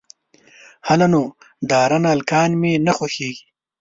_هله نو، ډارن هلکان مې نه خوښېږي.